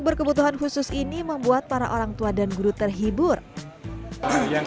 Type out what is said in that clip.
berkebutuhan khusus ini membuat para orang tua dan guru terhibur yang